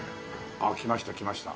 あっ来ました来ました。